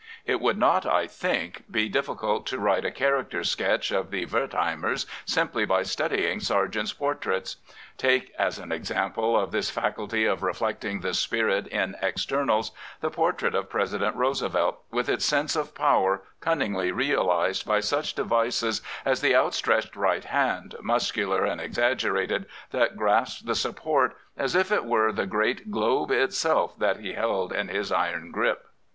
It would not, I think, be difficult to write a character sketch of the Wertheimers simply by studying Sargent's portraits. Take as an example of this faculty of reflecting the spirit in externals, the por trait of President Roosevelt, with its sense of power cunningly realised by such devices as the outstretched right hand, muscular and exaggerated, that grasps the support as if it were the great globe itself that he held in his iron grip.